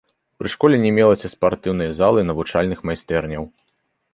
Пры школе не мелася спартыўнай залы і навучальных майстэрняў.